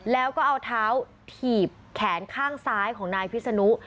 แล้วก็เอาเท้าถีบแขนข้างซ้ายของนายพิษนุ